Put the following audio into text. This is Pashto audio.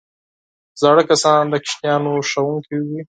زاړه کسان د ماشومانو ښوونکي وي